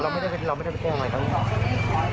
อ๋อเราไม่ได้ไปโกงอะไรกัน